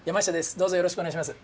どうぞよろしくおねがいします。